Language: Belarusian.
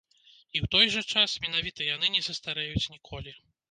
І, у той жа час, менавіта яны не састарэюць ніколі.